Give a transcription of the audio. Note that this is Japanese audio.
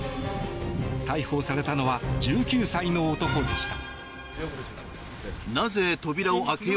逮捕されたのは１９歳の男でした。